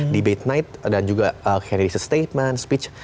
debate night dan juga harry statement speech